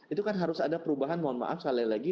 itu kan harus ada perubahan mohon maaf sekali lagi